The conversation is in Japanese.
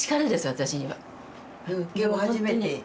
私には。